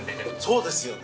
そうですよね。